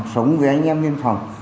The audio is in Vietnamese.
sống với anh em biên phòng